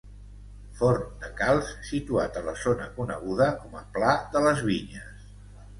Forn de calç situat a la zona coneguda com a Pla de les Vinyes.